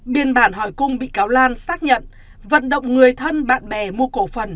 biên bản hỏi cung bị cáo lan xác nhận vận động người thân bạn bè mua cổ phần